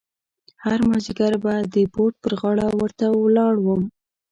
هر مازیګر به د بورد پر غاړه ورته ولاړ وم.